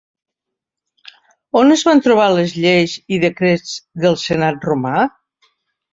On es van trobar les lleis i decrets del senat romà?